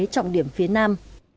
trọng điểm phía nam